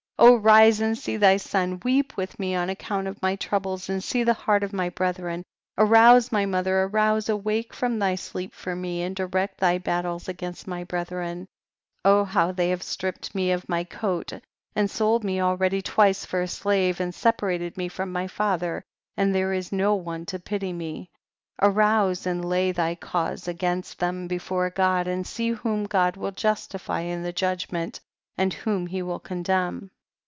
32. rise and see thy son, weep with me on account of my troubles, and see the heart of my brethren. 33. Arouse my mother, arouse, awake from thy sleep for me, and direct thy battles against my bre thren. O how have they stripped The! book of jasher. 131 file of my coat, and sold me already twice for a slave, and separated me from my father, and there is no one to pity me. 34. Arouse and lay thy* cause against them before God, and see whom God will justify in the judg ment, and whom he will condemn.